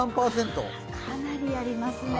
かなりありますね。